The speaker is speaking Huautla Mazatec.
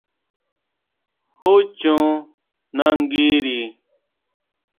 ¿Jú chon nanguiri?